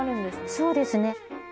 そうですね。